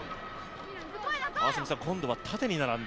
今度は縦に並んで。